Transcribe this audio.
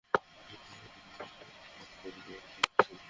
Claim, ও ওর সুন্দর মোচটা দিয়ে আমাদের বোকা বানাতে চাচ্ছিল।